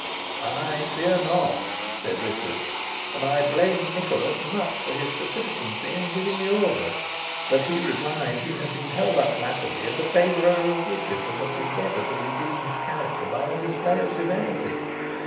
"I fear not," said Richard, "and I blamed Nicholas much for his precipitancy in giving the order; but he replied he had been held up latterly as a favourer of witches, and must endeavour to redeem his character by a display of severity.